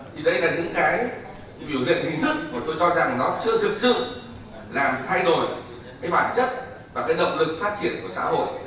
thì đây là những cái biểu hiện hình thức mà tôi cho rằng nó chưa thực sự làm thay đổi cái bản chất và cái động lực phát triển của xã hội